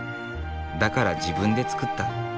だから自分で作った。